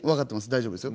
大丈夫ですよ。